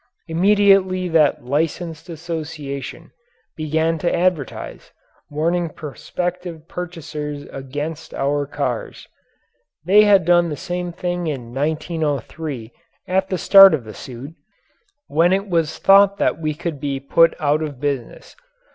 Immediately that Licensed Association began to advertise, warning prospective purchasers against our cars. They had done the same thing in 1903 at the start of the suit, when it was thought that we could be put out of business.